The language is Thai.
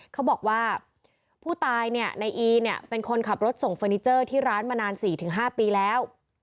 เขาบอกว่าผู้ตายเนี่ยในอีเนี่ยเป็นคนขับรถส่งเฟอร์นิเจอร์ที่ร้านมานาน๔๕ปีแล้ว